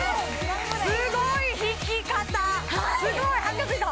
すごい引き方すごい半額以下！